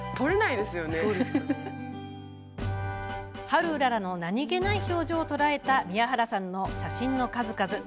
ハルウララの何気ない表情を捉えた宮原さんの写真の数々。